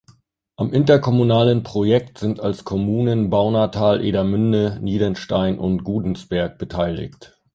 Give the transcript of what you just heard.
Am interkommunalen Projekt sind als Kommunen Baunatal, Edermünde, Niedenstein und Gudensberg beteiligt.